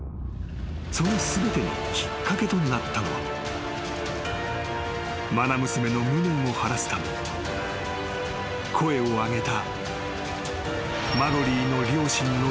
［その全てのきっかけとなったのは愛娘の無念を晴らすため声を上げた］